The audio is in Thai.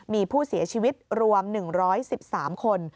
มีผู้เสียชีวิตรวม๑๑๓คน